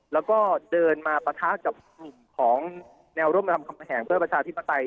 แล้วก็เดินมาปะทะกับกลุ่มของแนวร่วมรามคำแหงเพื่อประชาธิปไตย